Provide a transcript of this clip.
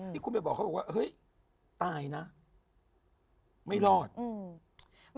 ที่คุณไปบอกเขาบอกว่าเฮ้ยตายนะไม่รอดอืม